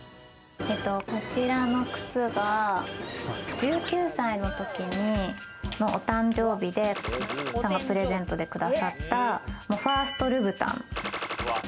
こちらの靴が、１９歳のときにお誕生日でさんがプレゼントでくださったファーストルブタン。